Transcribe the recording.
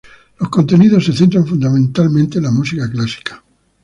Los contenidos se centran fundamentalmente en la música clásica.